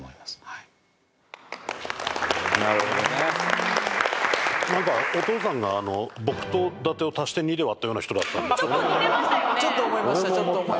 はいなるほどね何かお父さんが僕と伊達を足して２で割ったような人だったんでちょっと似てましたよね